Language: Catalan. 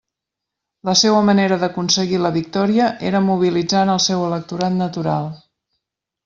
La seua manera d'aconseguir la victòria era mobilitzant el seu electorat natural.